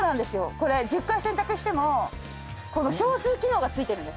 これ１０回洗濯しても消臭機能が付いてるんです。